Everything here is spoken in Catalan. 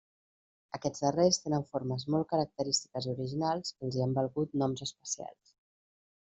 Aquests darrers tenen formes molt característiques i originals que els hi han valgut noms especials.